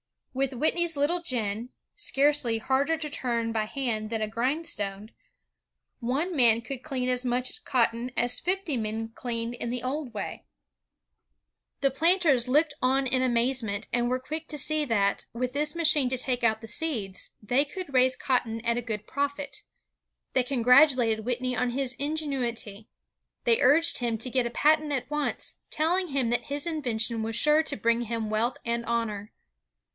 With Whitney's little gin, scarcely harder to turn by hand than a grindstone, one man could clean as mudi cotton as fifty men cleaned in the old way. ELI WHITNEY I15 The planters looked on in amazement, and were quick to see that, with this machine to take out the seeds, they could raise cotton at a good profit. They congratulated Whitney on his ingenuity. They urged him to get a patent at once, telling him that his invention was sure to bring him wealth and honor.